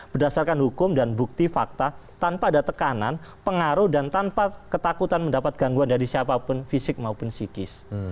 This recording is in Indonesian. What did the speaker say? berdasarkan hukum dan bukti fakta tanpa ada tekanan pengaruh dan tanpa ketakutan mendapat gangguan dari siapapun fisik maupun psikis